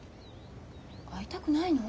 会いたくないの？